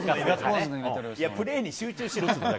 プレーに集中しろって。